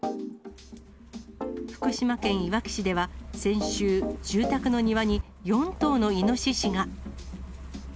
福島県いわき市では、先週、住宅の庭に４頭のイノシシが。